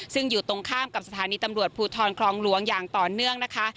ซึ่งอยู่ตรงข้ามกับสถานีตำรวจภูทรคลองหลวงอย่างต่อเนื่องนะคะ